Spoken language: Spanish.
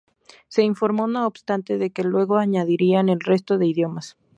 Se informó, no obstante, de que luego añadirían el resto de idiomas.